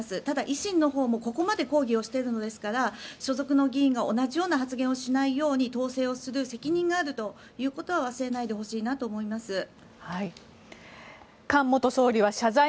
ただ、維新のほうもここまで抗議をしているのですから所属の議員が同じような発言をしないように統制をする責任があるということは忘れないでほしいなと思います。